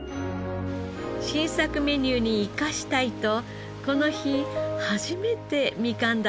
新作メニューに生かしたいとこの日初めてみかん鯛を試食します。